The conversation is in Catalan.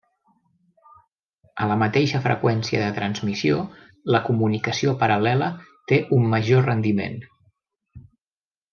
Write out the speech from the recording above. A la mateixa freqüència de transmissió, la comunicació paral·lela té un major rendiment.